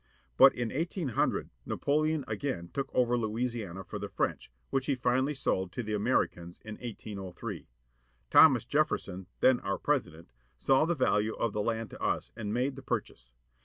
But in 1800 Napoleon again took over Louisiana for the French, which he finally sold to the Americans in 1803. Thomas Jefferson, then our President, saw the value of the land to us and made the purchase.